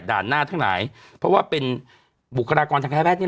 หน้าทั้งหลายเพราะว่าเป็นบุคลากรทางการแพทย์